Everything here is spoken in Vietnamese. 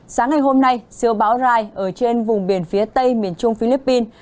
sáng ngày hôm nay siêu bão rai ở trên vùng biển phía tây miền trung philippines